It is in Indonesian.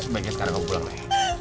baiklah sekarang kamu pulang nay